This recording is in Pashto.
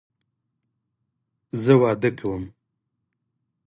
زه واده کوم